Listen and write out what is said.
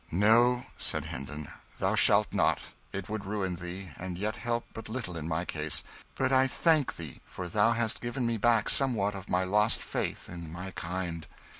"No," said Hendon; "thou shalt not. It would ruin thee, and yet help but little in my cause. But I thank thee, for thou hast given me back somewhat of my lost faith in my kind."